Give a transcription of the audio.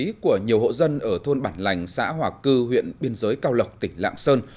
kinh tế của nhiều hộ dân ở thôn bản lành xã hòa cư huyện biên giới cao lộc tỉnh lạng sơn